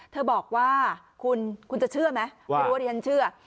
เธอบอกว่าคุณคุณจะเชื่อไหมไม่รู้ว่าดิฉันเชื่อ